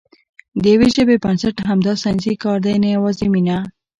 د یوې ژبې بنسټ همدا ساینسي کار دی، نه یوازې مینه.